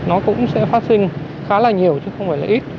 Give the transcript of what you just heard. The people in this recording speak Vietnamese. nó cũng sẽ phát sinh khá là nhiều chứ không phải là ít